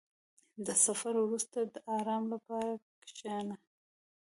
• د سفر وروسته، د آرام لپاره کښېنه.